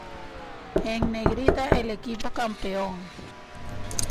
En negrita el equipo campeón.